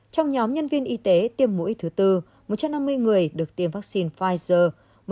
trong nhóm nhân viên y tế tiêm mũi thứ tư một trăm năm mươi người được tiêm vaccine pfizer